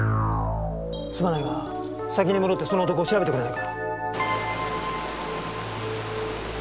すまないが先に戻ってその男を調べてくれないか。